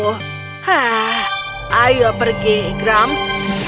hah ayo pergi grumps